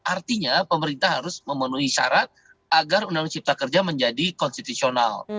artinya pemerintah harus memenuhi syarat agar umkm menjadi konstitusional